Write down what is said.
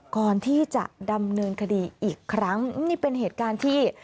ก่อนที่จะดำเนินคดีอีกครั้งนี่เป็นเหตุการณ์ที่